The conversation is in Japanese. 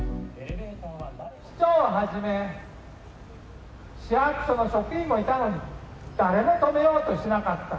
市長はじめ、市役所の職員もいたのに、誰も止めようとしなかった。